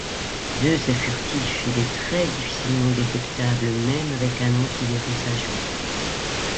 Zeus est furtif, il est très difficilement détectable même avec un antivirus à jour.